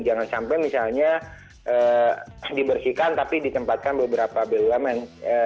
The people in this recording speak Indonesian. jangan sampai misalnya dibersihkan tapi ditempatkan beberapa bumn